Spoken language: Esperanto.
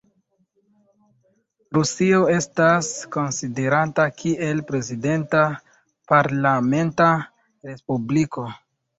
Rusio estas konsiderata kiel prezidenta-parlamenta respubliko.